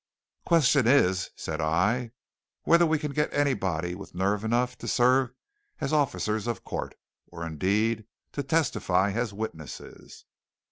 "Question is," said I, "whether we can get anybody with nerve enough to serve as officers of court, or, indeed, to testify as witnesses."